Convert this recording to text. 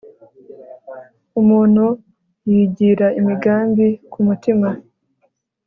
umuntu yigira imigambi ku mutima